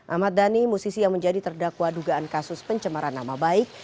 ahmad dhani musisi yang menjadi terdakwa dugaan kasus pencemaran nama baik